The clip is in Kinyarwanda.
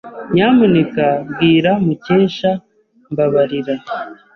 Nyamuneka bwira Mukesha Mbabarira.